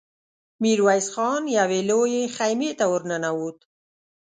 ميرويس خان يوې لويې خيمې ته ور ننوت.